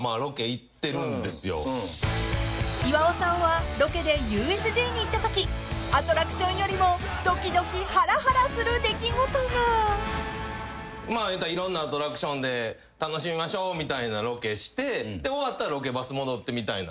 ［岩尾さんはロケでＵＳＪに行ったときアトラクションよりもドキドキハラハラする出来事が］いうたらいろんなアトラクションで楽しみましょうみたいなロケして終わったらロケバス戻ってみたいな。